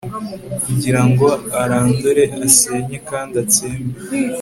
kugira ngo arandure, asenye kandi atsembe